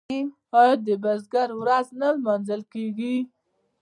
آیا د بزګر ورځ نه لمانځل کیږي؟